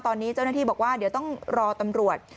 ตอนนี้เจ้าหน้าที่บอกว่าเดี๋ยวต้องรอตำรวจ